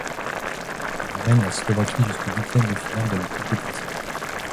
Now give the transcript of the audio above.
Il emmène la Slovaquie jusqu'aux huitièmes de finale de la compétition.